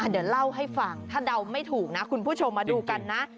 เดี๋ยวเล่าให้ฟังถ้าเดาไม่ถูกนะคุณผู้ชมมาดูกันนะ